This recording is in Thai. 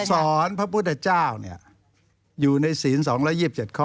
สอนพระพุทธเจ้าเนี่ยอยู่ในศีล๒๒๗ข้อ